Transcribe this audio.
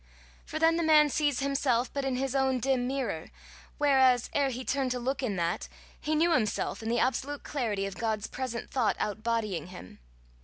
For then the man sees himself but in his own dim mirror, whereas ere he turned to look in that, he knew himself in the absolute clarity of God's present thought out bodying him.